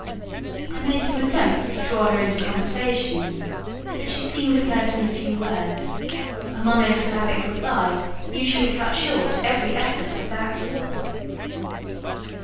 I made some attempts to draw her into conversation, but she seemed a person of few words: a monosyllabic reply usually cut short every effort of that sort.